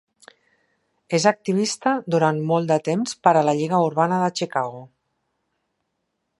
És activista durant molt de temps per a la Lliga urbana de Chicago.